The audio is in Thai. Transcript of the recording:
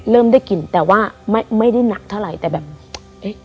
เริ่มได้กลิ่นแต่ว่าไม่ไม่ได้หนักเท่าไรแต่แบบเอ๊ะ